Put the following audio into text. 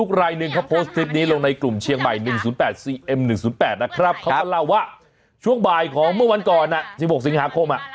เขาบอกว่าช่วงบ่ายของเมื่อวันก่อน๑๖สิงหาคม